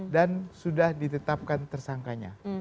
dan sudah ditetapkan tersangkanya